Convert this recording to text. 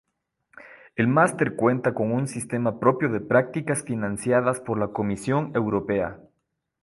El máster cuenta con un sistema propio de prácticas financiadas por la Comisión Europea.